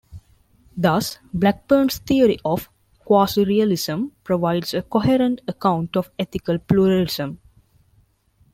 Thus, Blackburn's theory of quasi-realism provides a coherent account of ethical pluralism.